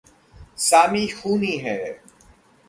सामी ख़ूनी है।